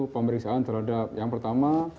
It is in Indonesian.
pemeriksaan terhadap yang pertama